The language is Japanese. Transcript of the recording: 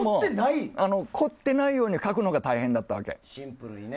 凝ってないように書くのが大変だったわけ。